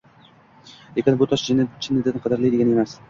Lekin bu, tosh chinnidan qadrli, degani emas.